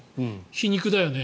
皮肉だよね。